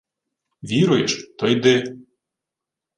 — Віруєш — то йди.